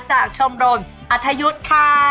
จากชมโรนอัธยุทธ์ค่ะ